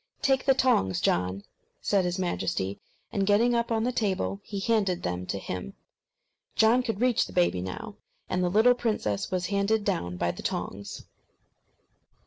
"Take the tongs, John," said his Majesty; and getting up on the table, he handed them to him. John could reach the baby now, and the little princess was handed down by the tongs.